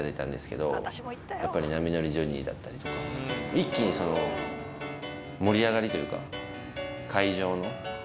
一気に盛り上がりというか。